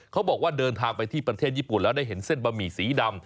เขาบอกว่าเดินทางไปที่ประเทศญี่ปุ่นแล้วได้เห็นเส้นบะหมี่สีดำ